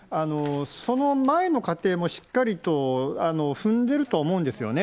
その前の過程もしっかりと踏んでると思うんですよね。